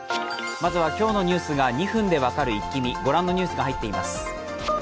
まずは今日のニュースが２分で分かるイッキ見、ご覧のニュースが入っています。